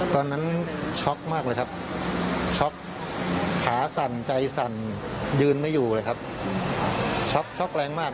ตอนนั้นมากเลยครับขาสั่นใจสั่นยืนไว้อยู่เลยครับช็อคเชิ้ลแรงมาก